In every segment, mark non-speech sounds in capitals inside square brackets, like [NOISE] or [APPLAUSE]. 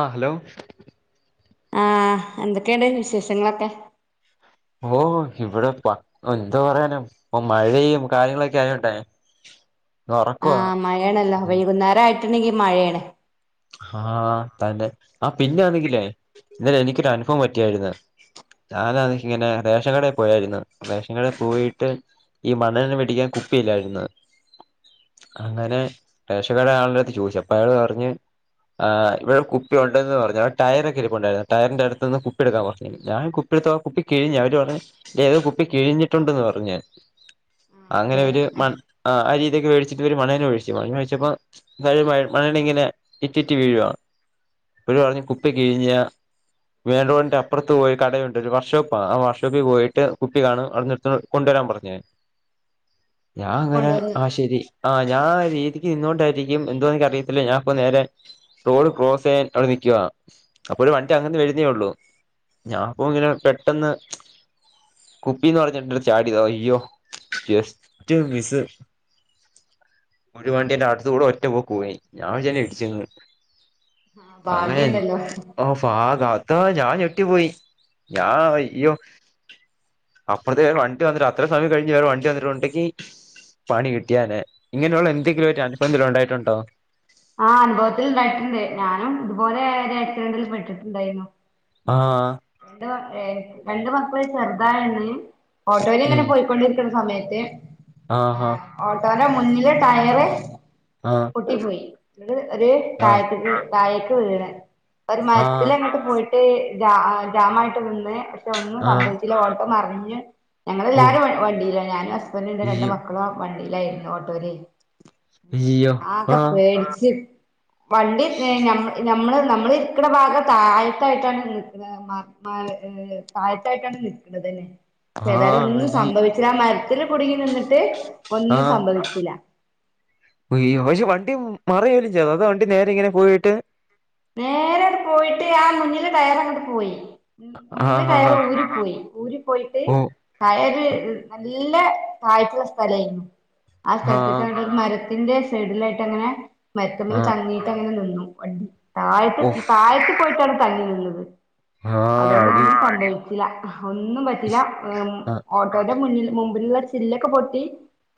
ആഹ hello? ആഹ എന്തൊക്കെയൊണ്ട് വിശേഷങ്ങളൊക്കെ? ഓഹ് ഇവടെ പ എന്തോ പറയാനാ ഇപ്പം മഴയും കാര്യങ്ങളൊക്കെ ആയോണ്ടേ. [INAUDIBLE] ആഹാ മഴയാണല്ലോ വൈകുന്നേരം ആയിട്ടുണ്ടെങ്കി മഴയാണ്. ആഹ തന്നെ ആഹ പിന്നെയാണെങ്കിലേ ഇന്നലെ എനിക്കൊരനുഭവം പറ്റിയാരുന്ന്. ഞാനാ ണകിൽ ഇങ്ങനെ റേഷൻകടേ പോയാര്ന്ന് റേഷൻ കടേ പോയിട്ട്. ഈ മണ്ണെണ്ണാ മേടിക്കാൻ കുപ്പിയില്ലായിരുന്ന്. അങ്ങനെ റേക്ഷകട ആളുടെത്ത് ചോദിച്ചപ്പ ളയാൾ പറഞ്ഞ്. ആഹ ഇവടെ കുപ്പി ഉണ്ടന്ന് പറഞ്ഞു ടയറൊക്കെ ഇരുപ്പുണ്ടായിരുന്നു ടയറിന്റെ അടുത്തൂന്ന് കുപ്പി എടുക്കാൻ പറഞ്ഞിനി ഞാൻ കു- പ്പി ഇട്ത്തപ്പം കുപ്പി കെഴിഞ്ഞ് അവര് പറഞ്ഞ് ഏതോ കുപ്പി കെഴിഞ്ഞിട്ടുണ്ട് പറഞ്ഞ് ഞാൻ അങ്ങനെ അതെ ഒരു മ ആഹ അരീതൊക്കെ വേടിച്ചിട്ട്. ഒരു മണ്ണണ്ണ ഒഴിച്ചു മണ്ണെണ്ണ ഒഴിച്ചപ്പോ. ഴ മണ്ണയിങ്ങനെ ഇറ്റിറ്റ് വീഴുവാ. ഒരു പറഞ്ഞഞ് കുപ്പി കിഴിഞ്ഞ വേണൂൻ്റപ്പറത്തു പോയ് കടയൊണ്ട് ഒരു വർഷോപ്പാ ആഹ വർഷോപ്പി പോയിട്ട് കുപ്പി കാണും അടുന്നെടുത്താമതി കൊണ്ടൊരാൻ പറഞ്ഞ് ഞാ അങ്ങനെ കൊണ്ടുവന്ന് ആ ശെരി ആ ഞാ ആ രീതിക്ക് നിന്നോണ്ടാരിക്കും എന്തോ എനിക്കറിയത്തില്ലാ ഞാ പ്പൊ നേരെ റോഡ് ക്രോസെയ്യാൻ അവടെ നിക്കുവാ അപ്പോഴും വണ്ടി അങ്ങന്ന് വരുന്നേ ഉള്ളൂ ഞാപ്പൊ ഇങ്ങനെ പെട്ടന്ന് കുപ്പീന്ന് പറഞ്ഞിട്ടുണ്ട് ചാടിതാ അയ്യോ ജസ്റ്റ് മിസ്സ് ഒരു വണ്ടിന്റെ അടുത്തൂടെ ഒറ്റ പോക്ക് പോയ് ഞാൻ വിചാരിച്ചിടിച്ചെന്ന് ആ അങ്ങനെ ഭാഗ്യണ്ടല്ലോ ഓ ഫാ കാ ത്താ ഞാൻ ഞെട്ടി പോയ് ഞാൻ അയ്യോ അപ്പൊ ദേ വണ്ടി വന്നിട്ട് അത്ര സമയം കഴിഞ്ഞ് വേറെ വണ്ടി വന്ന് റോട്ട്ക്കി പണി കിട്ടിയാനനെ ഇങ്ങനെഒള്ള എന്തെങ്കിലും ഒര് അൻഭവെങ്കിലും ഒണ്ടായിട്ടൊണ്ടോ? ആ അനുഭവത്തില്ണ്ടായിട്ടുണ്ട് ഞാനും ഇതുപോലെ ഒരാക്സിഡൻ്റിൽ പെട്ടിട്ടുണ്ടായിരുന്നു ഉം ആഹ് ന്തോ ഏ രണ്ട് മക്കള് ചെർതാണന്ന് ഓട്ടോയിലിങ്ങനെ പൊയ്ക്കൊണ്ടിരിക്ക്ണസമയത്ത് ആ ഹാ ഓട്ടോൻ്റെ മുന്നിലെ ടയറ് ആഹ് പൊട്ടിപ്പോയി ന്ന്ട്ട് ഒര് ആഹ് താഴ്ത്ത്ക്ക് താഴേക്ക് വീണ്. ഒര് ആഹ് മര്ത്തിലങ്ങ്ട്ട് പോയിട്ട് ജാ ആ ജാമായിട്ട് നിന്ന്, പക്ഷെ ഒന്നും ആഹ് സംഭവിച്ചില്ല, ഓട്ടോ മറിഞ്ഞ് ഓ ഞങ്ങളെല്ലാരും വ് വണ്ടിലാ ഞാനും അസ്ബന്റും ൻ്റെ രണ്ട് അയ്യോ മക്കളും ആ വണ്ടീലായിരുന്നു ഓട്ടോയിലെ അയ്യോ ആകെ ആഹ് പേടിച്ച് ച്ച് വണ്ടി ഏ ഞമ്മ ഞമ്മള്നമ്മളിരിക്കണ ഭാഗം താഴ്ക്കായിട്ടാണ് നിക്ക്ണ മ് മ മഹ് താഴ്ത്തായിട്ടാണ് നിക്ക്ണതന്നേ ചേതായാലും ആഹ് ഒന്നും അയ് സംഭവിച്ചില്ലാമരത്തില് കുടിങ്ങി നിന്ന്ട്ട് ഒന്നും സംഭവിച്ചില. അയ്യൊ പക്ഷെ വണ്ടി മറിയേലും ചെയ്തോ അതൊ വണ്ടി നേരെ ഇങ്ങനെ പോയിട്ട് നേരെഅങ്ട് പോയിട്ട് ആ മുന്നില് ടയറങ്ങട്ട് പോയി ഉം മുന്നിലെ ആഹ് ആഹ് ടയറ് ഊരി പോയി. ഊരി പോയിട്ട് ഓ ടയറ് നല്ല താഴ്ച്ചള്ള സ്ഥലായിനു ആ ആഹ് സ്ഥൽത്തൊക്കെണ്ട് രു മരത്തിന്റെ സൈഡിലായിട്ട്ങ്ങനെ മരത്ത്മ്മ്ല് ആഹ് തങ്ങീട്ട് അങ്ങനെ നിന്നു തായത്ത് ഓഫ് തായത്ത് പോയിട്ടാണ് തങ്ങിനിന്നത് ആഹ് അടി അതുകൊണ്ടൊന്നും സംഭവച്ചില ഒന്നും പറ്റീല്ല ഉം ഓട്ടോയ്ടെ മുന്നിൽ മുമ്പില്ള്ള ചില്ലൊക്കെ പൊട്ടി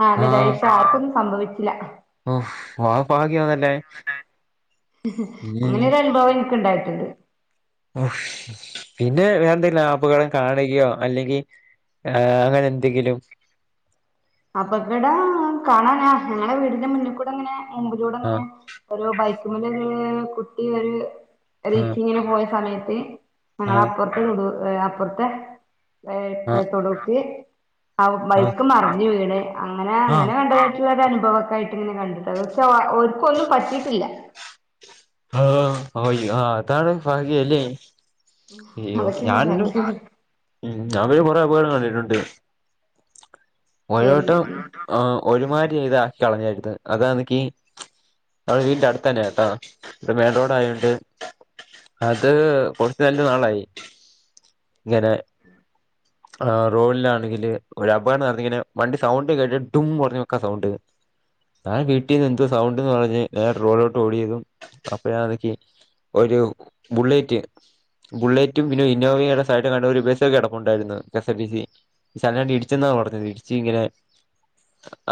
അ എന്നെ ദേ ആഹ് പക്ഷെ ആർക്കൊന്നും സംഭവിച്ചില ഉം മഹാ ഭാഗ്യായല്ലേ അങ്ങനെ ഒരനുഭവം എൻക്ക് ഇണ്ടായിട്ട്ണ്ട് ഉം പിന്നെ വേറെന്തേലും അപകടം കാണുകയോ അല്ലെങ്കി ഏ അങ്ങനെന്തെങ്കിലും അപകടം കാണാനാ ഞങ്ങടെ വീടിന്റെ മുന്നിക്കൂടെങ്ങനെ മുമ്പിലൂടങ്ങനെ ആഹ് ഒരു ബൈക്ക്മ്മെലൊര് കുട്ടി ഒരു ആഹ് റീക്കിങ്ങിനു പോയ സമയത്ത് ആഹ് ഞങ്ങളാപ്പുർത്ത് തോട് ഏ അപ്പുർത്തെ ഏ ഏ ആഹ് തൊടുക്കി ആവും ആഹ് ബൈക്കു മറിഞ്ഞു വീണ് അങ്ങനെ ആഹ് അങ്ങനെ കണ്ടതായിട്ട്ള്ളൊരനുഭവൊക്കെ ആയിട്ട്ങ്ങനെ കണ്ട്. എന്താച്ചാ വാ ഓൽക്കൊന്നും പറ്റീട്ടില്ല ആ അയ്ഒ ആ അതാണ് ഭാഗ്യഅല്ലേ അയ്യോ അതൊക്കെയാണ് ഞാനൊരു ഭാഗ്യം ഉം ഞാനൊരു കൊറെ അപകടം കൊണ്ടിട്ടൊണ്ട് ഒരുവട്ടം പിന്നെ ആ ഒരുമാരി ഇതാക്കി കളഞ്ഞാഇത് അതാന്നെങ്കി അത് വീട്ന്റെ അടുത്തന്നെട്ടാ ത് മേൻ റോഡായോണ്ട് അത് കൊറച്ചുനല്ലനാളായി ഇങ്ങനെ ആ റോഡ്ലാണെങ്കില് ഒരപകടം നടന്നിങ്ങനെ വണ്ടി സൗണ്ട് കേട്ട് ഡും ഒറഞ്ഞുവെക്കാ സൗണ്ട് ഞാൻ വീട്ടീന്ന് എന്തോ സൗണ്ട്ന്ന് പറഞ്ഞ് നേരെ റോഡ്ലോട്ടോടിയതും അപ്പഴാന്നെക്കി ഒരു ബുള്ളറ്റ് ബുള്ളറ്റും പിന്നെഒ ഇന്നോവയുടെ സൈഡ്കാണ്ട് ഒരു ബസ്സുകെട പ്പുണ്ടായിരുന്നു കെസ് ആർ ടിസി [UNINTELLIGIBLE] ഇടിച്ചെന്നാ പറഞ്ഞത് ഇടിച്ച് ഇങ്ങനെ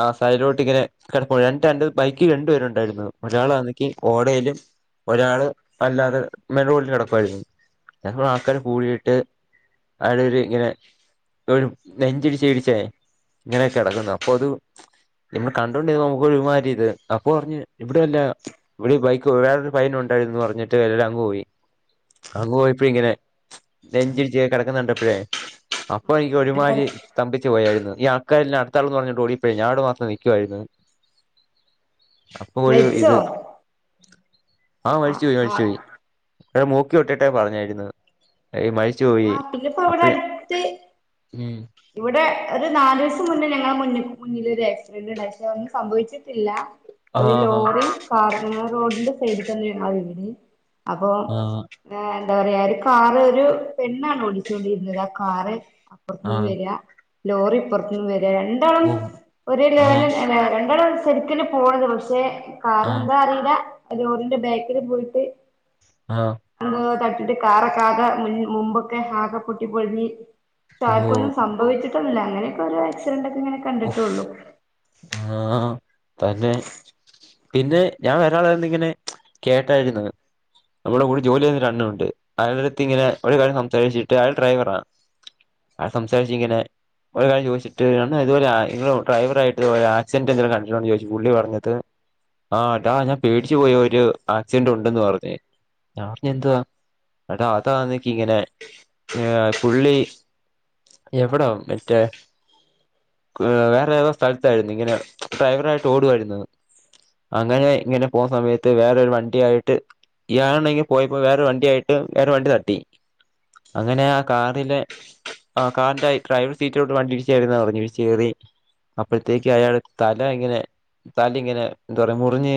ആഹ് സൈലോട്ടിങ്ങനെ കടപ്പോൺ രണ്ടാൺണ്ട് ബൈക്ക് രണ്ടു പേരുണ്ടായിരുന്നു ഒരാളാന്നെങ്കി ഓടയിലും ഒരാള് അല്ലാതെ മേൻറോഡില് കെടപ്പായിരുന്നു. അപ്പ ആൾക്കാര് കൂടിയിട്ട് ആടൊരു ഇങ്ങനെ ഒരു നെഞ്ചിടിച്ചിടിച്ചേ ഇങ്ങനെ കെടക്കുന്നു അപ്പൊതു ചെന്നു കണ്ടോണ്ടിരുന്ന നമുക്കൊരുമാരി ഇത് അപ്പൊറഞ്ഞ് ഇവിടെ അല്ല ഇവിടെ ഈ ബൈക്ക് വേറൊരു പയ്യനൊണ്ടായിരുന്നു പറഞ്ഞിട്ട് എല്ലാങ്ങ് പോയി. അങ്ങ് പോയപ്പഴുംഇങ്ങനെ നെഞ്ചിടിച്ച് കെടക്കുന്ന കണ്ടപ്പഴേ അപ്പൊ എനിക്ക് ഒരുമാരി തമ്പിച്ച് പോയാരുന്നു. ഈ ആൾക്കാരില്ലാ അടുത്താളെന്ന് പറഞ്ഞിട്ട് ഓടിപ്പോഴഞ്ഞഞാട്മാത്രം നിക്കുവാരുന്നു. അപ്പൊ ഒരു മരിച്ചോ ഇത് ആഹ് ആ മരിച്ചുപോയി ആ മരിച്ചുപോയി ടെ മൂക്കിഒട്ടിട്ടേ പറഞ്ഞാരുന്നു ഈ മരിച്ചു പോയി ഇന്നിപ്പോ അപ്പഴ് അവിടടുത്ത് ഉം ഇവിടെ ഒരു നാലൂസം മുന്നേ ഞങ്ങളെ മുന്നി മുന്നില് ഒരു ആക്സിഡന്റ് ഉണ്ടായി പക്ഷെ ഒന്നും സംഭവിച്ചിട്ടില്ല ആ ഒരു ഹാ ലോറി കാറി [UNINTELLIGIBLE] റോഡിന്റെ സൈഡിൽ തന്നെ വിണ് അപ്പൊ ആ എന്താ പറയാ ഒരു കാറ് ഒരു പെണ്ണാണ് ഓടിച്ചോണ്ടിരുന്നത് ആ കാറ് ആ അപ്പറത്ത്ന്ന് വര്യാ ലോറി ഇപ്പറത്തുന്ന് വരിക ര ണ്ടാളും ഓ ഒരേ ആ ലെവല്ന്നെയല്ലെ രണ്ടാളും ഒരേ സൈഡിലെക്ക് തന്നെയാ പോണത് പക്ഷെ ആ കാറെന്താ അറിയില്ല ലോറിന്റെ ബാക്കില് പോയിട്ട് ആഹ് വന്ന് തട്ടിട്ട് കാറൊക്കാകെ മുൻ മുമ്പൊക്കെ ആകെ പൊട്ടി പൊളിഞ്ഞ് അപ്പൊ ഓ ആർക്കൊന്നും സംഭവിച്ചിട്ടൊന്നുല്ല അങ്ങനെയൊക്കെ ഓരോ ആക്സിഡന്റൊക്കെ ഇങ്ങനെ കണ്ടിട്ടെ ഒള്ളു ആഹ് തന്നെ പിന്നെ ഞാൻ വേറൊരാളു പറഞ്ഞിങ്ങനെ കേട്ടാരുന്നു നമ്മുടെ കൂടെ ജോലി ചെയ്യുന്ന ഒരണ്ണനുണ്ട് അയാടടുത്ത് ഇങ്ങനെ ഒരു കാര്യം സംസാരിച്ചിട്ട് അയാള് ഡ്രൈവറാ അയാള് സംസാരിച്ച് ഇങ്ങനെ ഓരോ കാര്യം ചോദിച്ചിട്ട് ഇതുപോലെ ആഹ് ഇങ്ങളൊരു ഡ്രൈവറായിട്ട് ഒരാക്സിഡന്റെങ്കിലും കണ്ടിട്ടൊണ്ടോന്ന് ചോയ്ച്ചു പുള്ളി പറഞ്ഞത് ആഹ് ടാ ഞാൻ പേടിച്ചു പോയ ഒരു ആക്സിഡന്റുണ്ടെന്ന് പറഞ്ഞു ഞാൻ പറഞ്ഞു എന്ത്വാ എടാ അതാന്ന്ക്കിങ്ങനെ ഏഹ് പുള്ളി എവിടാ പറ്റേ ഏഹ് വേറേതോ സ്ഥലത്തായിരുന്നു ഇങ്ങനെ ഡ്രൈവറായിട്ട് ഓടുവാരുന്നു അങ്ങനെ ഇങ്ങനെ പോന്ന സമയത്ത് വേറൊരു വണ്ടി ആയിട്ട് ഇയാളാണെങ്കി പോയപ്പോ വേറൊരു വണ്ടി ആയിട്ട് ഇയാടെ വണ്ടി തട്ടി അങ്ങനെ ആ കാറില് ആ കാറിന്റെ ഡ്രൈവർ സീറ്റിലോട്ട് വണ്ടിടിച്ചു കേറീന്നാ പറഞ്ഞെ കേറി അപ്പഴത്തേക്ക് അയാടെ തല ഇങ്ങനെ തല ഇങ്ങനെ എന്താറയാ മുറിഞ്ഞ്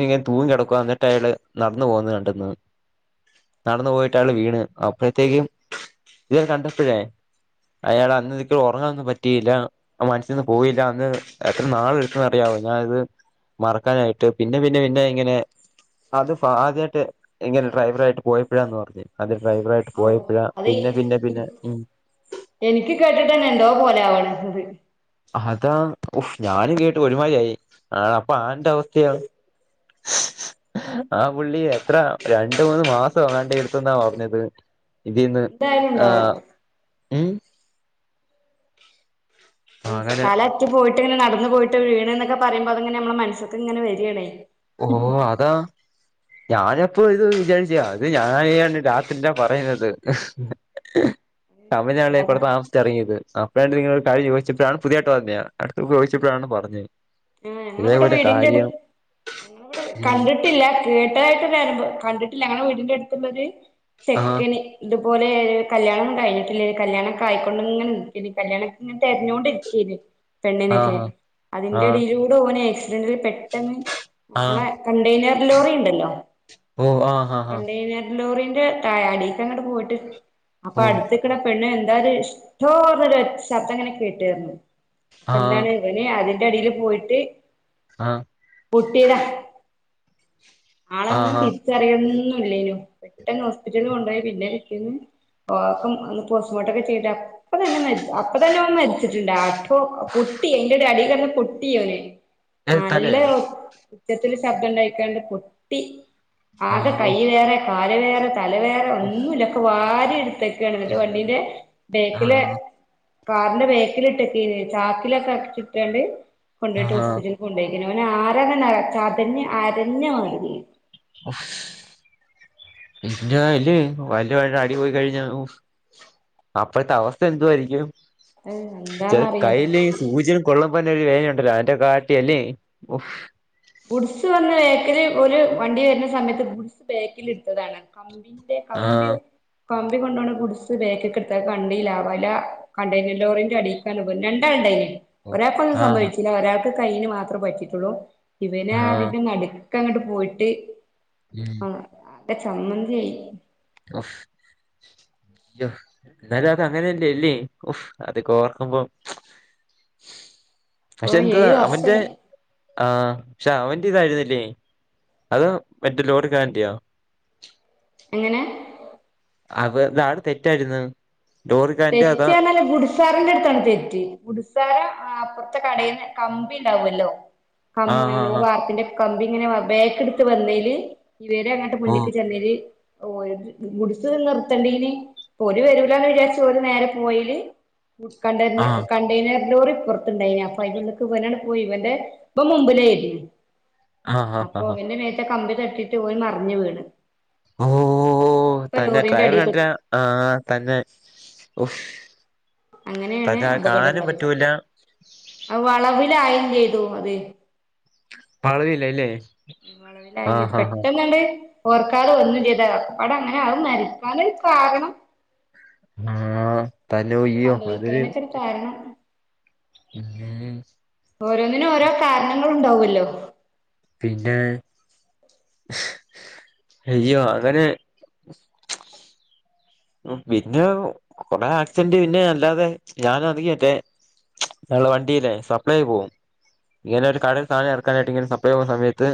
ഞ്ഞിങ്ങനെ തൂങ്ങിട്ക്കുവാ എന്നിട്ടയാള് നട്ന്നു പോകുന്നത് കണ്ടന്ന് നടന്നു പോയിട്ടയാള് വീണ് അപ്പഴത്തേക്കും ഇത് കണ്ടപ്പഴേ അയാൾ അന്നെനിക്ക് ഉറങ്ങാനൊന്നും പ റ്റിയില്ല അത് മനസ്സീന്ന് പോയില്ല അന്ന് എത്ര നാളെടുത്തെന്ന് അറിയാവോ ഞാനിത് മറക്കാനായിട്ട് പിന്നെ പിന്നെ പിന്നെ ഇങ്ങനെ അതിപ്പൊ ആദ്യായിട്ട് ഇങ്ങനെ ഡ്രൈവറായിട്ട് പോയപ്പോഴാന്ന് പറഞ്ഞെ ആദ്യം ഡ്രൈവറായിട്ട് ഔ പോയപ്പഴാ അത് പിന്നെ പിന്നെ പിന്നെ ഉം എനിക്ക് കേട്ടിട്ട്ന്നെ എന്തോ പോലെ ആവണ് ഇത് അതാ ഉം ഞാനും കേട്ട് ഒരുമായിരിയായി ആഹ് അപ്പൊ ആളിന്റെ അവസ്ഥയോ [INAUDIBLE] ആ പുള്ളി എത്രാ രണ്ട്മൂന്ന് മാസം എങ്ങാണ്ട് എടുത്തെന്നാ പറഞ്ഞത് ഇതീന്ന് എന്തായാലും ഉണ്ടാവും ആഹ് ഉം അങ്ങനെ സ്ഥലത് പോയിട്ട് ഇങ്ങനെ നടന്ന് പോയിട്ട് വീണെന്നൊക്കെ പറയുമ്പോ അതങ്ങനെ മ്മടെ മനസ്സീക്കിങ്ങനെ വരികാണ് ഓഹ് അതാ ഞാനപ്പോ ഇത് വിചാരിച്ച് അത് ഞാൻ അത് രാത്രിലാ പറയുന്നത് അപ്പം ഞാനല്ലേ എന്താത് കൊഴപ്പം ത്തെറങ്ങിയത് അപ്പഴാണ്ട് ഇങ്ങനെ ഒരു കാര്യം ചോയിച്ചപ്പോഴാണ് പുതിയായിട്ട് പറഞ്ഞയ അടുത്തെ ചോയിച്ചപ്പോഴാണ് പറഞ്ഞത് ആഹ് ഞങ്ങളവിടെ ഇതേപോലെ വീടിന്റടു കാര്യം ഞങ്ങളിവിടെ ഉം കണ്ടിട്ടില്ല കേട്ടതായിട്ട് ഒരനുഭവം കണ്ടിട്ടില്ല ഞങ്ങടെ വീടിന്റെ അടുത്തുള്ളവര് ആഹ് ചെക്കന് ഇതുപോലെ കല്യാണൊന്നും കഴിഞ്ഞിട്ടില്ല കല്യാണൊക്കെ ആയിക്കൊണ്ട് ഇങ്ങനെ നില്ക്കിണ് കല്യാണം ഇങ്ങനെ തെരഞ്ഞോണ്ട് ഇരി ക്കണ് പെണ്ണിനൊക്കെ ആഹ് അതിന്റൊരു ആഹ് ഇടയിലൂടെ ഓന് ആക്സിഡന്റിൽ പെ ട്ടന്ന് ആഹ് നമ്മടെ കണ്ടയ്നർ ലോറി ഉണ്ടല്ലോ ഓ ആഹ് ആഹ് കണ്ടയ്നർ ലോറീന്റെ ടയ അടീക്കങ്ങോട്ട് പോയിട്ട് അപ്പൊ ആഹ് ഓ അടുത്ത് ക്കണ പെണ്ണ് എന്താത് ഡ്ഡോ ന്നൊരു ശബ്ദം ഇങ്ങനെ കേട്ടീരുന്നു അപ്പൊ ആഹ് എന്താണ് അവന് അയിന്റടീല് പോയിട്ട് ആഹ് പൊട്ടിയതാ ആളങ്ങ് ആഹ് ആഹ് തിരി ച്ചറിയൊന്നുല്ലേനു പെട്ടെന്ന് ഹോസ്പിറ്റല് കൊണ്ടയ പിന്നെ കിട്ടീന്ന് പോക്കും അന്ന് പോസ്റ്റ്മോർട്ടം ഒക്കെ ചെയ്ത അപ്പൊ തന്നെ മരിച്ച അപ്പൊ തന്നെ ഓൻ മരിച്ചിട്ട്ണ്ട അപ്പൊ പൊട്ടി അയിന്റ അടി കെടന്ന് പൊ പൊട്ടി ഓന് ഏ നല്ല തലയോ ഉച്ചത്തില് ശബ്ദം ണ്ടായിക്കാണ്ട് പൊട്ടി ആകെ ആഹ് ഓ കയ്യ് വേറെ കാല് വേറെ തല വേറെ ഉഫ് ഒന്നുല്ല ഒക്കെ വാരി എടുത്ത ക്കണ്ട് അയ്യോ വണ്ടീന്റെ ബേക്കില് ആഹ് കാറിന്റെ ബേക്കിലിട്ടക്കെയ്ന്. ചാക്കിലൊക്കെ ചുട്ടാണ്ട് കൊണ്ടയിട്ട് ആഹ് ഹോസ്പിറ്റിൽ കൊണ്ടെയ്ക്കെനു ഓന് ആരാനന്നെ ചതഞ്ഞു അരഞ്ഞ മാതിരി ഉഫ് ഞാല് വല് വ അടി പോയി കഴിഞ്ഞ ഉഫ് അപ്പഴത്തെ അവസ്ഥ എന്തുവായിരിക്കും. അഹ് ച എന്താന്നറിയോ കയ്ൽ സൂചി കൊള്ളുമ്പന്നെ ഒരു വേയനയുണ്ടല്ലോ? അതിന്റെ കാട്ടിയല്ലേ ഗുഡ്സ് വന്ന് ബേക്കില് ഓല് വണ്ടി വരുന്ന സമയത്ത് ഗുഡ്സ് ബേക്കിലിടിച്ചതാണ് കമ്പി കമ്പി ആഹ് കമ്പി കൊണ്ടോണ ഗുഡ്‌സ് ബേക്കിക്ക്ട്ത്തപ്പോ വണ്ടിലാ വലാ കണ്ടെയ്നർ ലോറിന്റടീ [UNINTELLIGIBLE] രണ്ടാളുണ്ടായിന് ഓ ഒരാൾക്കൊന്നും ആഹ് സംഭവിച്ചില്ല. ഒരാൾക്ക് കയ്യിന് മാത്രം പറ്റിട്ടുള്ളൂ. ഇവന ആഹ് അതിന്റെ നടു ക്കങ്ങട്ട് പോയിട്ട് ഉം ആകെ ചമ്മന്തിയായി ഓഫ് യ്യോ ന്നാലും അതങ്ങനെയല്ലേല്ലേ് ഓഫ്‌ അതക്കെ ഓർക്കുമ്പോം പക്ഷെ എന്തുവാ ഏഴ് അവന്റെ വർഷായി ആഹ് പക്ഷെ അവന്റെ ഇതായിരുന്നില്ലേ? അതോ മറ്റേ ലോറി കാരന്റെയോ? എങ്ങനെ അപ്പൊ താടെ തെറ്റായിരുന്നു. ലോറിക്കാരന്റെ തെറ്റ് അതാ പറഞാല് ഗുഡ്‌സ് ഗുഡ്‌സാരന്റടുത്താണ് തെറ്റ്. ഗുഡ്‌സാരൻ ആ അപ്പറത്തെ കടേന്ന് കമ്പി ണ്ടാവല്ലോ? കം ആഹ് നമ്മളെ ആഹ് വാർപ്പിന്റെ കമ്പി ഇങ്ങനെ വ ബാക്കെടുത്ത് വന്നയില് ഇവര് ങ്ങനെ ഓ മുന്നക്ക് ചെന്നെല് ഓടി ബുഡ്സ് നിർത്തണ്ടിനു ഓര് വെരൂലന് വിചാരിച്ചു ത്ത് ഒരു നേര പോയേല് ഫുഡ് കണ്ടെന് ആഹ് കൺ ണ്ടെയ്നർ ലോറിപ്പൊർത്ത്ണ്ടെയ്നു. അപ്പൊ അയ്ന്റുള്ള്ക്ക് ഇവനാണ്ട് പോയി ഇവന്റെ ഇവൻ മുമ്പിലെയ്ന്നു. ആഹ് അപ്പൊ ആഹ് വന്റെ മേത്ത് ആ കമ്പി തട്ടിട്ട് വൻ മറിഞ് വീണ്. ഓ [UNINTELLIGIBLE] പ്പ ലോറിന്റെ അടീപെട്ടു ആ ആ തന്നെ ഉഫ് അങ്ങനെയാണ് അത കാണാനും പറ്റൂല്ല. ആ വളവിലായേം ചെയ്തു അത് വളവിലല്ലേ? വളവിലായ്ഞ് പെട്ടന്നാണ്ട് ഓർക്കാതെ വന്നും ചെയ്തു അക്കപ്പാട അങ്ങനെ അവൻ മരിക്കാനൊരു കാരണം. ആ തനു യ്യും അതൊര് സംഭവിക്കാനൊക്കെ ഒരു കാരണം ഉം ഓരോന്നിനു ഓരോ കാരണങ്ങളുണ്ടാവല്ലോ? പിന്നെ അയ്യോ അങ്ങനെ പിന്നെ കൊറേ ആക്സിഡന്റ് പിന്നെ അല്ലാതെ ഞാന അത്ങ്ങറ്റെ ങ്ങള വണ്ടില്ലേ സപ്ലൈ പോവും. ഇങ്ങനൊരു കടെല് സാനം എറക്കാനായിട്ട് ഇങ്ങനെ സപ്ലെ പോകുന്ന സമയത്ത്.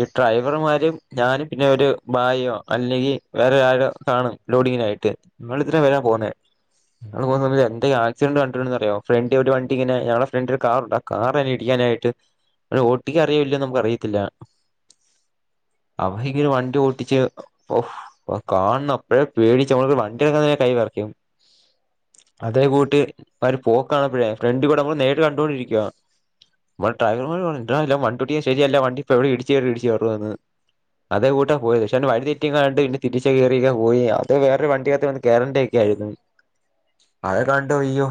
ഈ ഡ്രൈവർമാരും ഞാനും പിന്നെ ഒരു ഭായിയോ അല്ലെങ്കിൽ വേറെ ആരോ കാണും ലോഡിങ്ങിനായി ട്ട് ങ്ങമ്മള് ഇതിരെ മേലാ പോവുന്നെ ഞങ്ങള് പോകുന്ന സമയത്ത് എന്തേ ആക്സിഡന്റ് കണ്ടിട്ടുണ്ടന്നറിയോ? ഫ്രണ്ടി ഒരു വണ്ടിങ്ങനെ ഞങ്ങള ഫ്രണ്ട് ഒരു കാറുണ്ട ആ കാറന്നെ ഇടിക്കാനായിട്ട് ഓട്ടിക്ക അറിയല്ലന്ന് നമുക്ക് അറിയത്തില്ല അവ ഇങ്ങനെ വണ്ടി ഓട്ടിച്ച് ഓഹ് ഓ കാൺണ അപ്പഴ പേടി ടിച്ചു മ്മള് വണ്ടി അങ്ങനെ കൈ വെറക്കും. അതേ കൂട്ട് അവര് പോക്കണപ്പോഴേ ഫ്രണ്ട് കൂടെ നമ്മള് നേരിട്ട കണ്ടൊണ്ടിരിക്കുവാ നമ്മുടെ ഡ്രൈവർമാര് പറഞ്ഞു ടാവണ്ടിട്ടിഓട്ടിക്കുന്ന ശരിയല്ല വണ്ടിപ്പോ എവിടെ ഇടിച്ച് കേറും എന്ന് അതേ കൂട്ട പോയത് പക്ഷേ അവന് വഴിതെറ്റിന്നങ്ങാണ്ട് പിന്ന തിരിച്ച കയറീക്ക പോയി ഇത് വേറൊരുവണ്ടിക്കകത്ത് വന്ന് കേറേണ്ടേ ഒക്കെ ആയിരുന്നു അതെ കണ്ടു അയ്യോ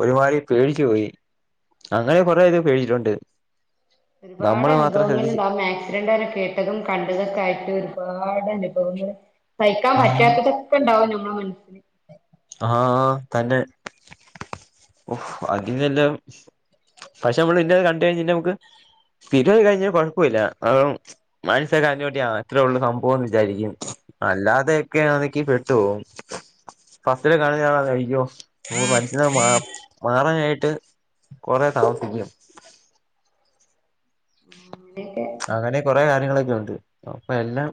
ഒരുമാതി പേടിച്ചു പോയി അങ്ങനെ കുറേ ഇത് പേടിച്ചിട്ടുണ്ട് ഒരുപാട് നമ്മള് മാത്രം ശ്രദ്ധിച്ച് അനുഭവങ്ങള്ണ്ടാകും മാക്സി അരണ്ടാരം കേട്ടതും കണ്ടതൊക്കെ ആയിട്ട് ഒരുപാട് അനുഭവങ്ങൾ സഹിക്കാൻ ഉം പറ്റാത്തതൊക്കെ ണ്ടാവും ഞമ്മളെ മനസ്സില് ആആ തന്നെ ഓഹ് അതിനെല്ലാം പക്ഷെ നമ്മള് ഇന്നത് കണ്ട കഴിഞ്ഞ നമുക്ക് പിന്നത് കഴിഞ്ഞ കുഴപ്പല്ല അ മനസ്സൊക്കെ [UNINTELLIGIBLE] ഇത്രയൊള്ള് സംഭവം എന്ന് വിചാരിക്കും അല്ലാതെയൊക്കെ ആണക്കി പെട്ട് പോകും ഫസ്റ്റില് കാണ ഞളാ കഴിക്കോ ഓ മനുഷ്യന് മാ മാറാനായിട്ട് കുറേ താമസിക്കും അങ്ങനെയൊക്കെ അങ്ങനെ കൊറേ കാര്യങ്ങളൊക്കെ ഉണ്ട് അപ്പൊ എല്ലാം